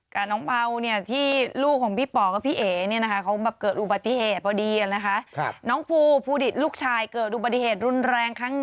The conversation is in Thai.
กับน้องเบ้าที่ลูกของบี่ป๋อกับพี่เอก